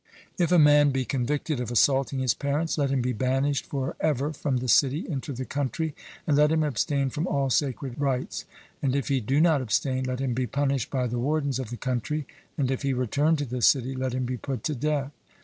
If a man be convicted of assaulting his parents, let him be banished for ever from the city into the country, and let him abstain from all sacred rites; and if he do not abstain, let him be punished by the wardens of the country; and if he return to the city, let him be put to death.